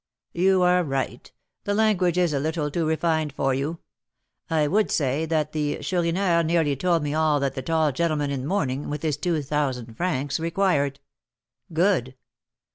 "You are right, the language is a little too refined for you. I would say that the Chourineur nearly told me all that the tall gentleman in mourning, with his two thousand francs, required." "Good."